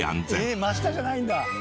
えっ真下じゃないんだ！